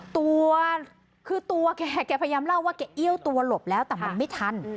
ตัวคือตัวแกแกพยายามเล่าว่าแกเอี้ยวตัวหลบแล้วแต่มันไม่ทัน